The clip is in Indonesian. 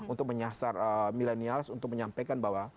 untuk menyasar milenials untuk menyampaikan bahwa